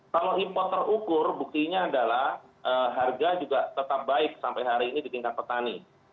kalau impor terukur buktinya adalah harga juga tetap baik sampai hari ini di tingkat petani